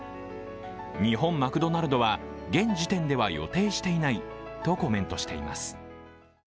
日本マクドナルドは、現時点では予定していないとコメントしています。